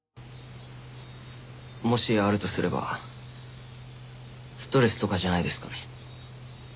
もしあるとすればストレスとかじゃないですかね。